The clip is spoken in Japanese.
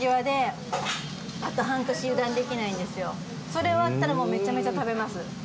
それ終わったらもうめちゃめちゃ食べます。